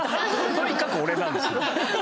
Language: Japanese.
とにかく俺なんですね。